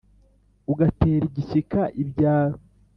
ugatera igishyika ibyaro.